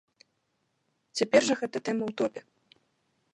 Цяпер жа гэта тэма ў топе.